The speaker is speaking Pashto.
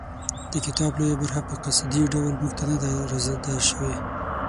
د کتاب لویه برخه په قصدي ډول موږ ته نه ده رازده شوې.